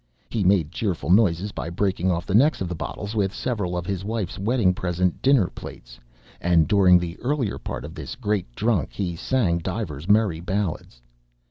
He made cheerful noises by breaking off the necks of the bottles with several of his wife's wedding present dinner plates, and during the earlier part of this great drunk he sang divers merry ballads.